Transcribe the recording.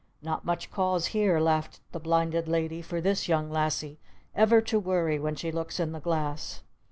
Not much cause here," laughed the Blinded Lady, "for this Young Lassie ever to worry when she looks in the glass!"